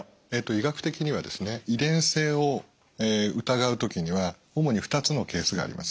医学的にはですね遺伝性を疑う時には主に２つのケースがあります。